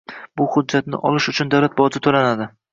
Bu xujjatni olish uchun davlat boji to‘lanadi.